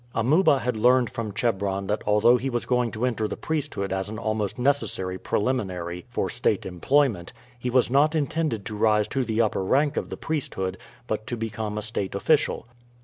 Amuba had learned from Chebron that although he was going to enter the priesthood as an almost necessary preliminary for state employment, he was not intended to rise to the upper rank of the priesthood, but to become a state official.